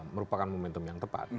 merupakan momentum yang tepat